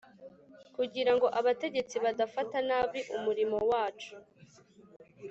Kugira ngo abategetsi badafata nabi umurimo wacu